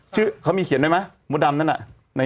ชื่อเขามีเขียนได้ไหมมดดำนั่นน่ะ